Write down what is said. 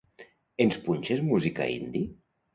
Ens punxes música indie?